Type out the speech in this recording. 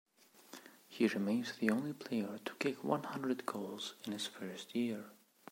He remains the only player to kick one hundred goals in his first year.